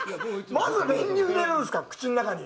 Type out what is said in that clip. まず練乳入れるんですか、口の中に。